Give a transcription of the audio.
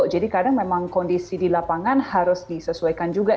jadi kadang memang kondisi di lapangan harus disesuaikan juga